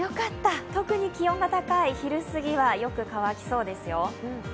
特に気温が高い昼過ぎはよく乾きそうですよ。